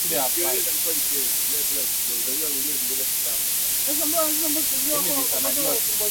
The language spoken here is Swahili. ni yale ya utulivu kabisa naam joyce